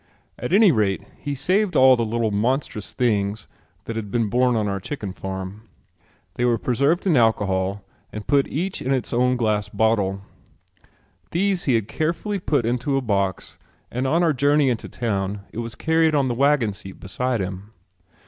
At any rate he saved all the little monstrous things that had been born on our chicken farm. They were preserved in alcohol and put each in its own glass bottle. These he had carefully put into a box and on our journey into town it was carried on the wagon seat beside him.